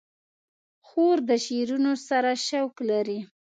خور د شعرونو سره شوق لري.